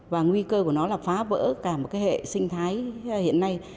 và nguy cơ của nó là phá vỡ cả một hệ sinh thái hiện nay